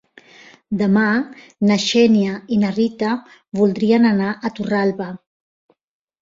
Demà na Xènia i na Rita voldrien anar a Torralba.